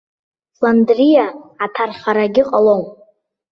Фландриа аҭархарагьы ҟалом.